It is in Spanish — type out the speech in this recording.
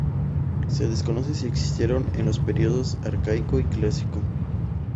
Se desconoce si existieron en los periodos arcaico y clásico.